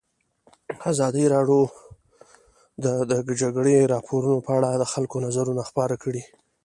ازادي راډیو د د جګړې راپورونه په اړه د خلکو نظرونه خپاره کړي.